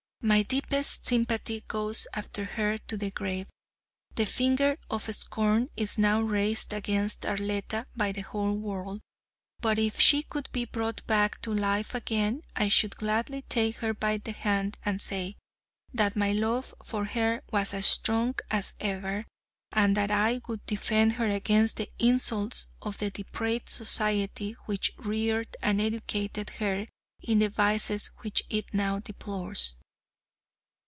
My deepest sympathy goes after her to the grave. The finger of scorn is now raised against Arletta by the whole world, but if she could be brought back to life again, I should gladly take her by the hand and say, that my love for her was as strong as ever, and that I would defend her against the insults of the depraved society which reared and educated her in the vices which it now deplores.